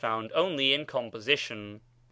found only in composition). Pres.